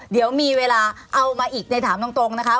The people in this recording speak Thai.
เดี๋ยวมีเวลาเอามาอีกในถามตรงนะคะ